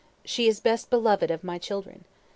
She is best beloved of my children.